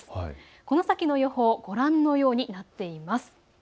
この先の予報、ご覧のようになっています。